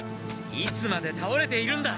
いつまでたおれているんだ。